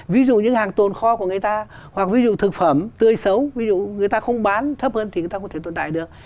ví dụ những hàng tồn kho của người ta hoặc ví dụ thực phẩm tươi xấu ví dụ người ta không bán thấp hơn thì người ta có thể tồn tại được